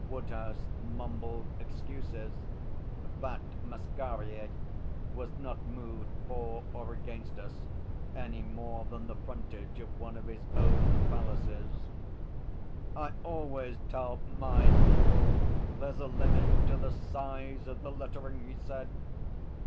Woodhouse mumbled excuses. Bat Masquerier was not moved for or against us any more than the frontage of one of his own palaces. 'I always tell My people there's a limit to the size of the lettering,' he said.